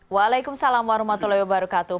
waalaikumsalam warahmatullahi wabarakatuh